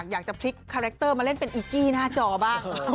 อยากจะพลิกคาแรคเตอร์มาเล่นเป็นอีกกี้หน้าจอบ้าง